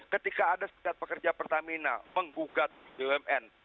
ketika ada serikat pekerja pertamina menggugat bumn